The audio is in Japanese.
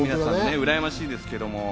うらやましいですけれども。